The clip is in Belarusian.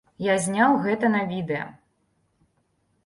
Я зняў гэта на відэа.